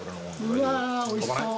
うわーおいしそう。